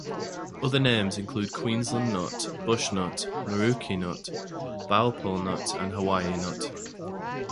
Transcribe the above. Other names include Queensland nut, bush nut, maroochi nut, bauple nut, and Hawaii nut.